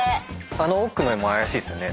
あの奥のも怪しいっすよね。